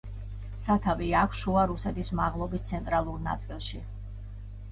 სათავე აქვს შუა რუსეთის მაღლობის ცენტრალურ ნაწილში.